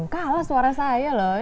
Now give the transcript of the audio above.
kala suara saya loh